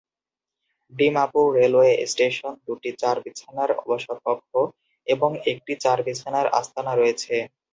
Dimapur railway station দুটি চার বিছানার অবসর কক্ষ এবং একটি চার-বিছানার আস্তানা রয়েছে।